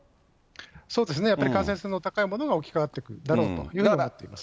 そうですね、やっぱり感染性の高いものが置き換わってくるだろうというふうに思っています。